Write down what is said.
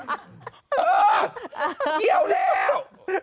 เออเกี้ยวแล้ว